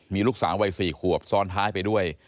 มีลูกสาววัย๔ขวบซ้อนท้ายไปด้วย